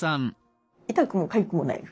痛くもかゆくもない。